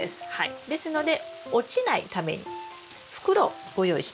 ですので落ちないために袋をご用意しました。